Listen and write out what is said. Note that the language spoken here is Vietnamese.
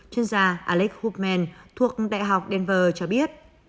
chuyên gia alex hoopman thuộc đại học denver cho biết